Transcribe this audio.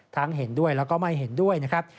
ทั้งเห็นด้วยและไม่เห็นด้วยนะครับ